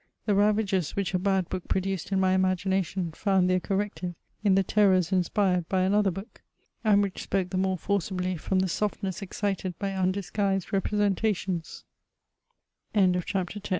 The ravages which a had hook produced in my im a gin ation found their correctiye in the terrors inspired hj another hook, and which spoke the more forcibly from the softness excited by undisguised representation